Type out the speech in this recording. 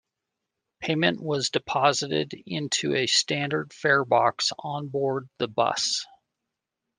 Payment was deposited into a standard farebox on board the bus.